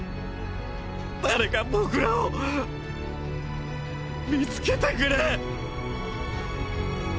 誰か僕らを見つけてくれ。